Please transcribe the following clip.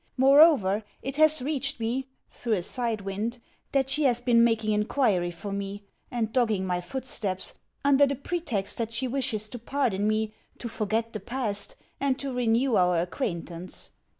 Moreover, it has reached me, through a side wind, that she has been making inquiry for me, and dogging my footsteps, under the pretext that she wishes to pardon me, to forget the past, and to renew our acquaintance.